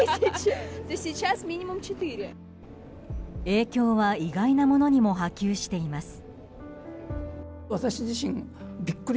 影響は意外なものにも波及しています。